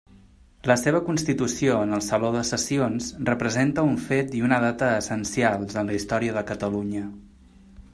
La seva constitució en el Saló de Sessions representa un fet i una data essencials en la història de Catalunya.